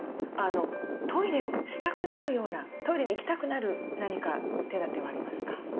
あのトイレをしたくなるようなトイレに行きたくなる何か手だてはありますか。